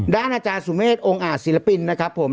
อาจารย์สุเมฆองค์อาจศิลปินนะครับผม